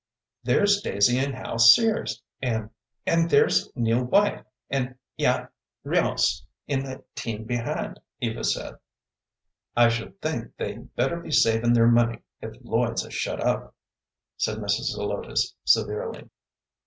"There's Daisy and Hat Sears, and and there's Nell White and Eaat Ryoce in the team behind," Eva said. "I should think they better be savin' their money if Lloyd's has shut up," said Mrs. Zelotes, severely.